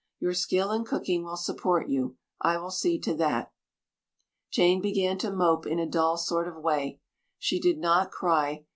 Your skill in cooking will support you. I will see to that." Jane began to mope in a dull sort of way. She did not cry.